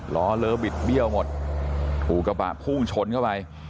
ล้อเลอบิดเบี้ยวหมดถูกกระบะพุ่งชนเข้าไป